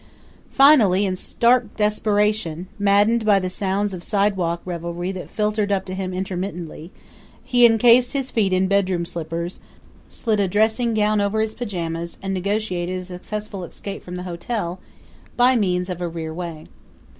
Finally in stark desperation, maddened by the sounds of sidewalk revelry that filtered up to him intermittently, he incased his feet in bed room slippers, slid a dressing gown over his pajamas, and negotiated a successful escape from the hotel by means of a rear way.